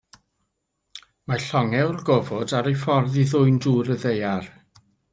Mae llongau o'r gofod ar eu ffordd i ddwyn dŵr y Ddaear.